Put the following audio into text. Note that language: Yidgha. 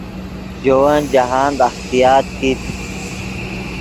ژے ون جاہند اختیاط کیت